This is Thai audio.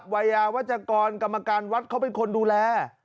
วัยยาวัชกรกรรมการวัดเขาเป็นคนดูแล